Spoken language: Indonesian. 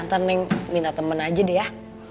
neng nanti minta temen aja deh ya